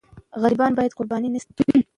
غریبان باید قرباني نه سي.